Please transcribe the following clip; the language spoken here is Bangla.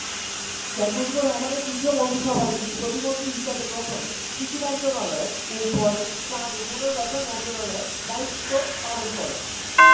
শেখ মুজিবুর রহমানের তৃতীয় মন্ত্রিসভায় তিনি প্রতিমন্ত্রী হিসেবে প্রথমে কৃষি মন্ত্রণালয়ের এবং পরে ত্রাণ ও পুনর্বাসন মন্ত্রণালয়ে দায়িত্ব পালন করেন।